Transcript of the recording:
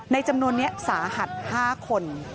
จำนวนนี้สาหัส๕คน